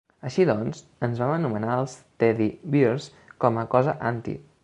Així doncs, ens vam anomenar els Teddybears com a cosa "anti".